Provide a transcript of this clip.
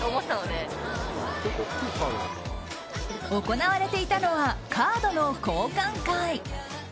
行われていたのはカードの交換会。